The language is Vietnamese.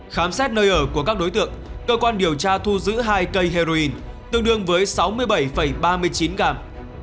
khám xét nơi ở của các đối tượng cơ quan điều tra thu giữ hai cây heroin tương đương với sáu mươi bảy ba mươi chín gram